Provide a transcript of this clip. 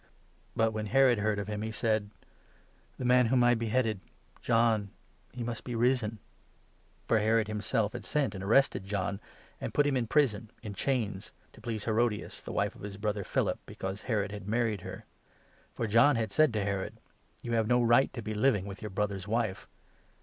" But when Herod 16 heard of him, he said — "The man whom I beheaded— John he must be risen !" For Herod himself had sent and arrested John, and put him 17 in prison, in chains, to please Herodias, the wife of his brother Philip, because Herod had married her. For John had said 18 to Herod — 'You have no right to be living with your brother's wife.'